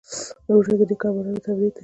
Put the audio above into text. روژه د نېکو عملونو تمرین دی.